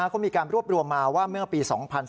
เขามีการรวบรวมมาว่าเมื่อปี๒๔